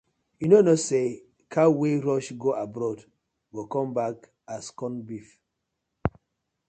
Yu no kno say cow wey rush go abroad go come back as corn beef.